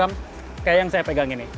kayak yang saya pegang ini